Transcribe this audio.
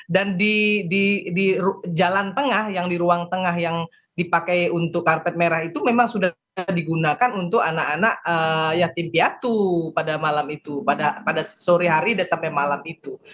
dan di jalan tengah yang di ruang tengah yang dipakai untuk karpet merah itu memang sudah digunakan untuk anak anak yatim piatu pada malam itu pada sore hari dan sampai malam itu